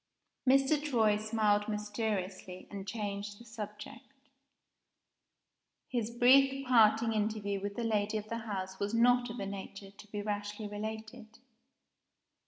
Mr. Troy smiled mysteriously, and changed the subject. His brief parting interview with the lady of the house was not of a nature to be rashly related.